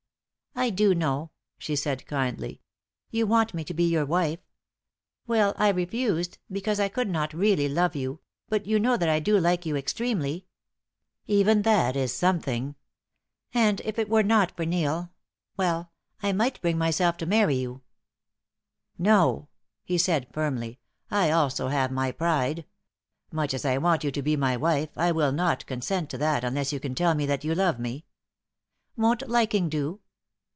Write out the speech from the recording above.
"I do know," she said, kindly; "you want me to be your wife. Well, I refused, because I could not really love you; but you know that I do like you extremely." "Even that is something." "And if it were not for Neil well, I might bring myself to marry you." "No," he said, firmly. "I also have my pride. Much as I want you to be my wife, I will not consent to that unless you can tell me that you love me." "Won't liking do?"